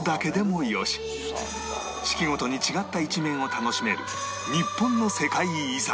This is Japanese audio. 四季ごとに違った一面を楽しめる日本の世界遺産